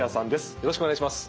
よろしくお願いします。